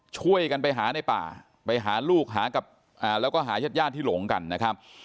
ช่วยกันไปหาในป่าไปหาลูกหากับแล้วก็หายาดที่หลงกันนะครับ